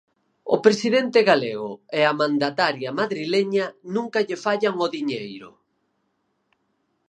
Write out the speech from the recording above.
O presidente galego e a mandataria madrileña nunca lle fallan ao diñeiro.